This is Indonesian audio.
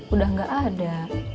udah gak ada